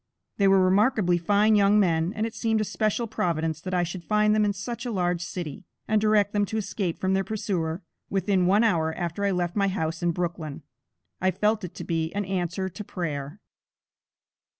They were remarkably fine young men, and it seemed a special Providence that I should find them in such a large city, and direct them to escape from their pursuer, within one hour after I left my house in Brooklyn. I felt it to be an answer to prayer.